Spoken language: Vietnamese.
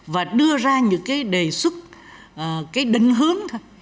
và đưa ra những cái đề xuất cái định hướng thôi